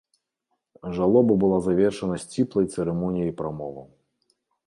Жалоба была завершана сціплай цырымоніяй прамоваў.